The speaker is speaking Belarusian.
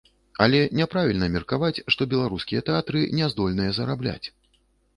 Але няправільна меркаваць, што беларускія тэатры не здольныя зарабляць.